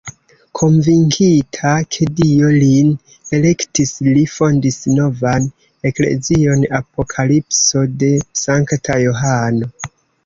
Konvinkita, ke Dio lin elektis, li fondis novan eklezion Apokalipso de sankta Johano.